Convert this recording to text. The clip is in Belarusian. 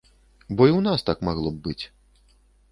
Бо і ў нас так магло б быць.